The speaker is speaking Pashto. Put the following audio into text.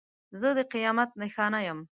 زه د قیامت نښانه یم.